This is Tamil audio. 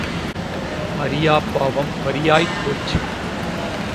அறியாப் பாவம் பறியாய்ப் போச்சு.